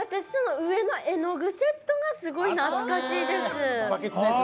上の絵の具セットがすごい懐かしいです。